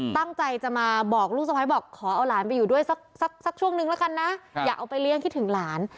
ตั้งใจจะมาบอกลูกสะพ้ายบอกขอเอาหลานไปอยู่ด้วยสักช่วงนึงแล้วกันนะอย่าเอาไปเลี้ยงคิดถึงหลาน